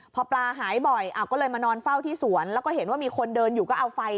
พอปลาหายบ่อยก็เลยมานอนเฝ้าที่สวนแล้วก็เห็นว่ามีคนเดินอยู่ก็เอาไฟ